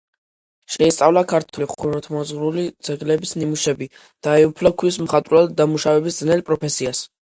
შეისწავლა ქართული ხუროთმოძღვრული ძეგლების ნიმუშები, დაეუფლა ქვის მხატვრულად დამუშავების ძნელ პროფესიას.